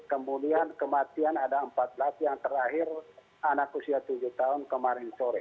kemudian kematian ada empat belas yang terakhir anak usia tujuh tahun kemarin sore